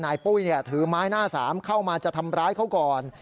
ปุ้ยถือไม้หน้าสามเข้ามาจะทำร้ายเขาก่อน